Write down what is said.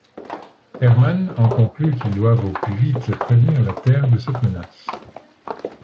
Herman en conclut qu'ils doivent au plus vite prévenir la Terre de cette menace.